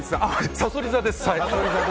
さそり座です。